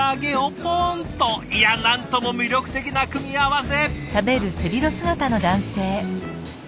いやなんとも魅力的な組み合わせ。